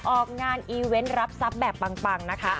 ออกงานอีเวนต์รับทรัพย์แบบปังนะคะ